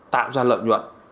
tạo ra lợi nhuận